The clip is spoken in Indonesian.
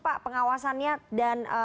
pak pengawasannya dan